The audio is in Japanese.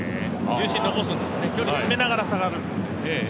重心残すんですよね、距離詰めながら下がるんです。